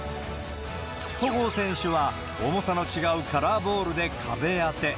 戸郷選手は、重さの違うカラーボールで壁当て。